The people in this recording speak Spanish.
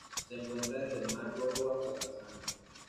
Se encuentra desde el Mar Rojo hasta Tanzania.